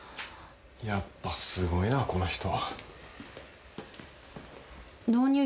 やっぱすごいなこの人。